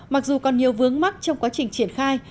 mặc dù còn nhiều vướng mắt trong quá trình triển khai